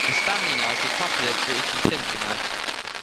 A Stanley knife is a popular British utility knife